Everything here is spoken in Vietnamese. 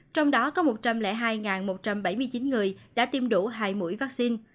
trong đó có một trăm linh hai một trăm bảy mươi chín người đã tiêm đủ hai mũi vaccine